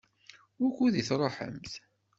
Wukud i tṛuḥemt?